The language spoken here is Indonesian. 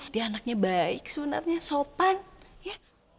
dia anaknya baik sebenarnya sopan ya